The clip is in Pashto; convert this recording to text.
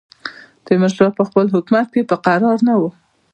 تیمورشاه په خپل حکومت کې پر کراره نه وو.